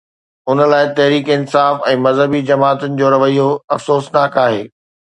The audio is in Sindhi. ان لاءِ تحريڪ انصاف ۽ مذهبي جماعتن جو رويو افسوسناڪ آهي.